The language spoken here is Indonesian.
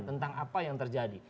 tentang apa yang terjadi